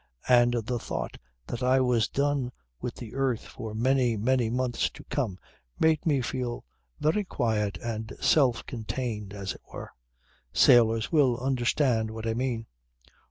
And the thought that I was done with the earth for many many months to come made me feel very quiet and self contained as it were. Sailors will understand what I mean."